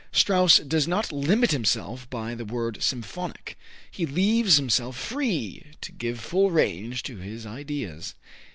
Strauss does not limit himself by the word symphonic. He leaves himself free to give full range to his ideas.